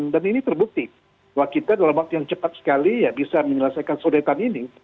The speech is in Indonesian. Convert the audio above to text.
dan ini terbukti bahwa kita dalam waktu yang cepat sekali bisa menyelesaikan saudetan ini